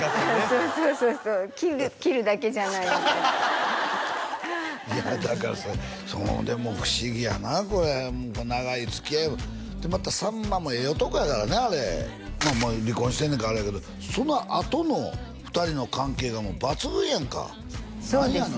そうそうそうそう切るだけじゃないみたいないやだからでも不思議やなこれ長いつきあいやけどでまたさんまもええ男やからなあれもう離婚してんねんからあれやけどそのあとの２人の関係がもう抜群やんかそうですね何やの？